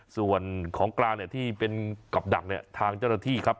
ส่วนของกลางเนี่ยที่เป็นกับดักเนี่ยทางเจ้าหน้าที่ครับ